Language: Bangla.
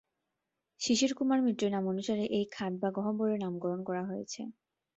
শিশির কুমার মিত্রের নামানুসারে এই খাদ বা গহ্বরের নামকরণ করা হয়েছে।